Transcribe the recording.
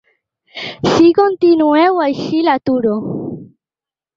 Si continueu així, l’aturo.